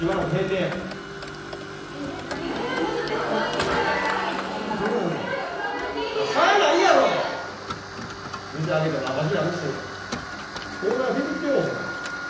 店開けても赤字なるしオーナービビってもうてな。